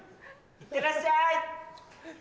「いってらっしゃい」。